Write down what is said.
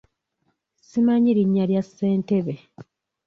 Simanyi linnya lya ssentebe.